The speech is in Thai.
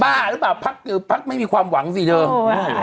บ้าหรือเปล่าภักดิ์คือภักดิ์ไม่มีความหวังสิเนอะ